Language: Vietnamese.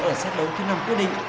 ở set đấu thứ năm quyết định